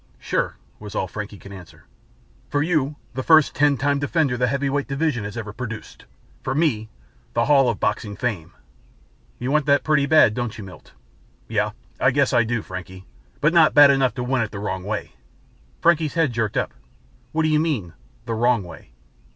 "Sure," was all Frankie could answer. "For you, the first Ten Time Defender the heavyweight division has ever produced. For me, The Hall of Boxing Fame." "You want that pretty bad, don't you, Milt?" "Yeah, I guess I do, Frankie, but not bad enough to win it the wrong way." Frankie's head jerked up. "What do you mean, the wrong way?"